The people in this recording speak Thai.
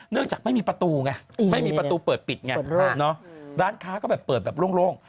จากไม่มีประตูไงไม่มีประตูเปิดปิดไงร้านค้าก็แบบเปิดแบบโล่ง